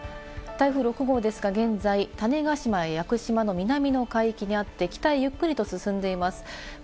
台風６号ですが現在、種子島や屋久島の南の海域にあって北へゆっくりと進んでいます。